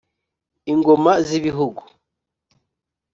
ingoma z'ibihugu